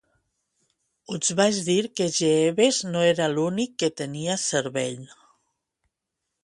Us vaig dir que Jeeves no era l'únic que tenia cervell.